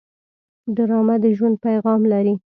ډرامه د ژوند پیغام لري